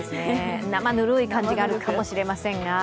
なまぬるい感じがあるかもしれませんが。